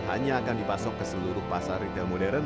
hanya akan dipasok ke seluruh pasar retail modern